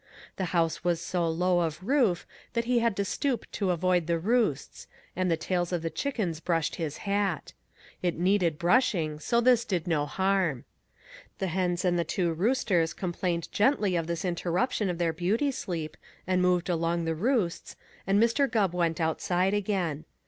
The house was so low of roof that he had to stoop to avoid the roosts, and the tails of the chickens brushed his hat. It needed brushing, so this did no harm. The hens and the two roosters complained gently of this interruption of their beauty sleep, and moved along the roosts, and Mr. Gubb went outside again.